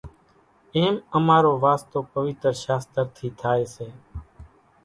ايم امارو واسطو پويتر شاستر ٿي ٿائي سي،